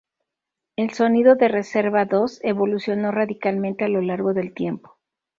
El sonido de Reserva Dos evolucionó radicalmente a lo largo del tiempo.